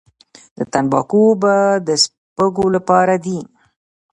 د تنباکو اوبه د سپږو لپاره دي؟